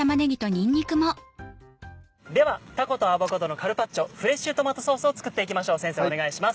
ではたことアボカドのカルパッチョフレッシュトマトソースを作っていきましょう先生お願いします。